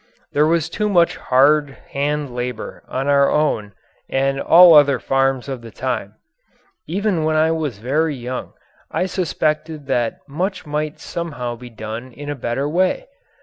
There was too much hard hand labour on our own and all other farms of the time. Even when very young I suspected that much might somehow be done in a better way.